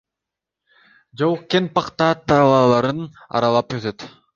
Жол кең пахта талааларын аралап өтөт.